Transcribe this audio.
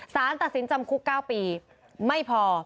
สารตัดสินจำคุก๙ปีไม่พอ